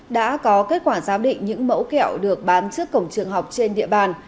đã có kết quả giám định những mẫu kẹo được bán trước cổng trường học trên địa bàn